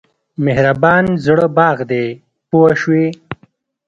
مهربان زړه باغ دی پوه شوې!.